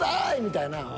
みたいな。